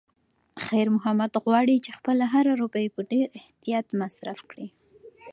خیر محمد غواړي چې خپله هره روپۍ په ډېر احتیاط مصرف کړي.